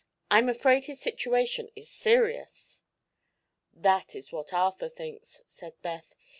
I'm afraid his situation is serious." "That is what Arthur thinks," said Beth.